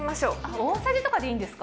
大さじとかでいいんですか。